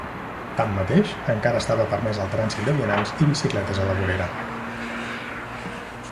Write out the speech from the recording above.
Tanmateix, encara estava permès el trànsit de vianants i bicicletes a la vorera.